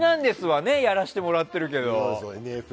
はやらせてもらってるけど。